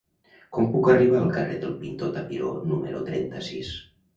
Com puc arribar al carrer del Pintor Tapiró número trenta-sis?